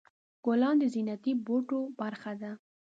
ګلان د زینتي بوټو برخه ده.